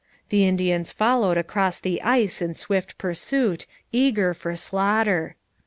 The Indians followed across the ice in swift pursuit, eager for slaughter.